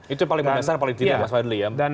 itu yang paling mendasar paling tidak mas fadli ya